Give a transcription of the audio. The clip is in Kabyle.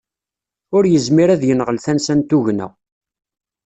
Ur yezmir ad yenɣel tansa n tugna